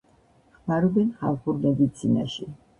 ხმარობენ ხალხურ მედიცინაში.